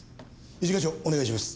一課長お願いします。